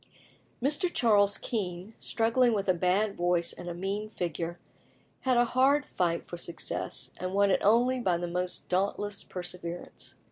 Mr. Charles Kean, struggling with a bad voice and a mean figure, had a hard fight for success, and won it only by the most dauntless perseverance.